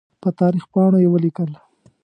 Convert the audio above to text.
په تاریخ پاڼو یې ولیکل.